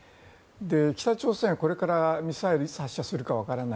北朝鮮はこれから、ミサイルをいつ発射するかわからない